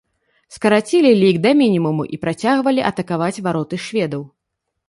Скарацілі лік да мінімуму і працягвалі атакаваць вароты шведаў.